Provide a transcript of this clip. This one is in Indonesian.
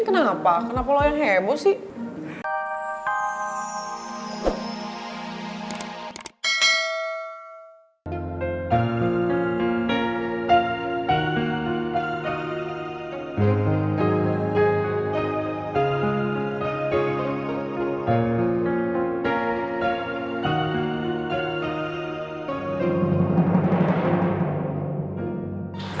kenapa kenapa lo yang heboh sih